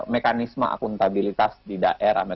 mekanisme akuntabilitas di daerah